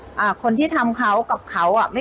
ก็เป็นสถานที่ตั้งมาเพลงกุศลศพให้กับน้องหยอดนะคะ